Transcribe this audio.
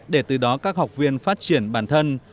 để từ đó các học viên phát triển bản thân